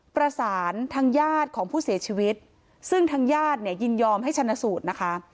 ประสานทางญาติของผู้เสียชีวิตซึ่งทางญาติเนี่ยยินยอมให้ชนะสูตรนะคะ